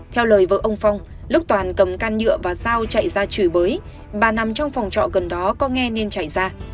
theo lời vợ ông phong lúc toàn cầm can nhựa và dao chạy ra chửi bới bà nằm trong phòng trọ gần đó có nghe nên chạy ra